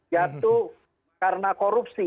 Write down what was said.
jatuh karena korupsi